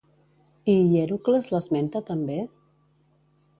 I Hièrocles l'esmenta també?